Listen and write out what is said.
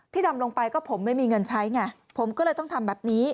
ทำลงไปก็ผมไม่มีเงินใช้ไงผมก็เลยต้องทำแบบนี้